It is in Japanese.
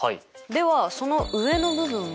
ではその上の部分も。